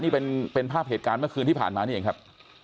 นี่เป็นภาพเหตุการณ์เมื่อคืนที่ผ่านมานี่เองครับ